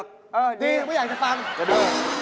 เออดีไม่อยากจะฟังอยากจะดู